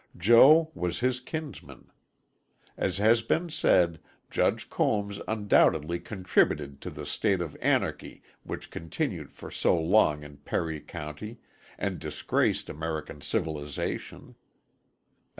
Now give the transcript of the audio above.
Joe was his kinsman. As has been said, Judge Combs undoubtedly contributed to the state of anarchy which continued for so long in Perry County and disgraced American civilization.